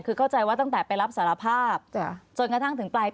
คือเข้าใจว่าตั้งแต่ไปรับสารภาพจนกระทั่งถึงปลาย